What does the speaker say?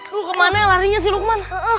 lu ke mana larinya sih lukman